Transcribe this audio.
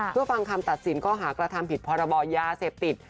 เพื่อฟังคำตัดสินข้อหากระทำผิดพรบยาเสพติด